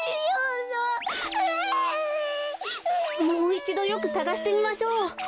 もういちどよくさがしてみましょう。